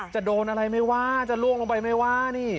จะโดนอะไรไม่ว่าจะล่วงลงไปไม่ว่านี่